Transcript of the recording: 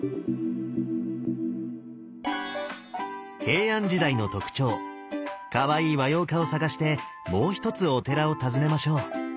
平安時代の特徴かわいい和様化を探してもう一つお寺を訪ねましょう。